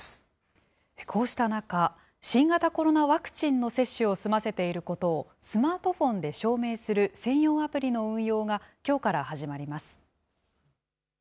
こうした中、新型コロナワクチンの接種を済ませていることをスマートフォンで証明する専用アプリの運用が、きょうから始まります。